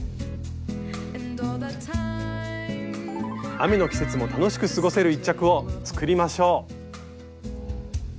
雨の季節も楽しく過ごせる一着を作りましょう！